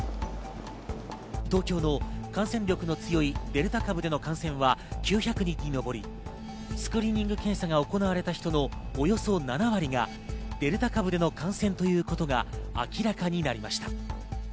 東京の感染力の強いデルタ株での感染は９００人に上り、スクリーニング検査が行われた人のおよそ７割がデルタ株での感染ということが明らかになりました。